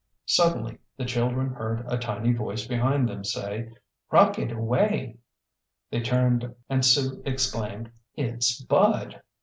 Suddenly the children heard a tiny voice behind them say, "Rocket away!" They turned and Sue exclaimed, "It's Bud!"